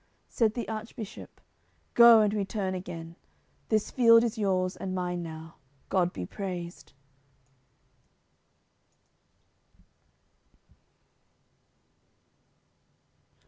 Said the Archbishop: "Go, and return again. This field is yours and mine now; God be praised!"